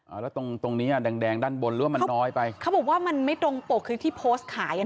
แล้วตรงตรงเนี้ยแดงแดงด้านบนหรือว่ามันน้อยไปเขาบอกว่ามันไม่ตรงปกคือที่โพสต์ขายอ่ะ